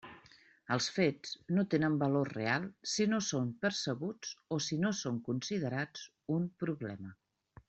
Els fets no tenen valor real si no són percebuts o si no són considerats un problema.